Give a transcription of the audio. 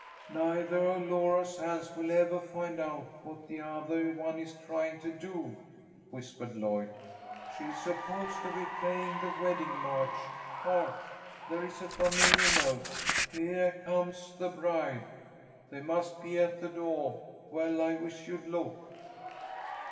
'" "Neithah of Laura's hands will evah find out what the othah one is trying to do," whispered Lloyd. "She is supposed to be playing the wedding march. Hark! There is a familiah note: 'Heah comes the bride.' They must be at the doah. Well, I wish you'd look!"